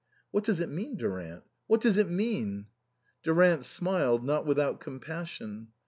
"What does it mean, Durant? what does it mean ?" 128 INLAND Durant smiled, not without compassion.